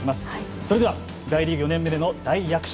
それでは大リーグ４年目での大躍進。